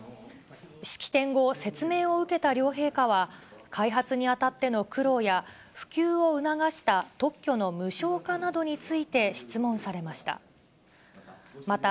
式典後、説明を受けられた陛下は開発にあたっての苦労や、普及を促した特許の無償化などについて質問されました。